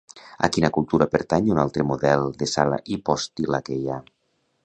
A quina cultura pertany un altre model de sala hipòstila que hi ha?